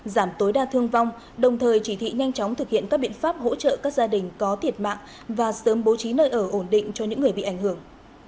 giảm tối đa thương vong đồng thời chỉ thị nhanh chóng thực hiện các biện pháp hỗ trợ các gia đình có thiệt mạng và sớm bố trí nơi ở ổn định cho những người bị ảnh hưởng